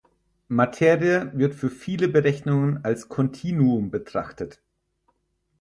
Materie wird für viele Berechnungen als Kontinuum betrachtet.